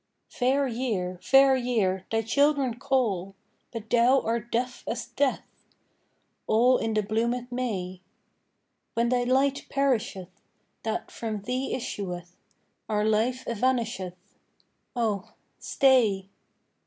II Fair year, fair year, thy children call, But thou art deaf as death; All in the bloomèd May. When thy light perisheth That from thee issueth, Our life evanisheth: Oh! stay.